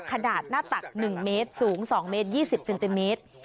ขนาดหน้าตักหนึ่งเมตรสูงสองเมตรยี่สิบเซนติเมตร